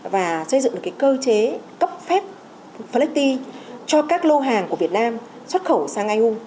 và xây dựng được cơ chế cấp phép flecti cho các lô hàng của việt nam xuất khẩu sang eu